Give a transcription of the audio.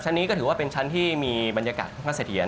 นี้ก็ถือว่าเป็นชั้นที่มีบรรยากาศค่อนข้างเสถียร